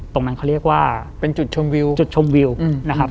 ตรงนั้นเขาเรียกว่าเป็นจุดชมวิวจุดชมวิวนะครับ